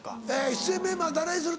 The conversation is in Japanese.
「出演メンバー誰にする？」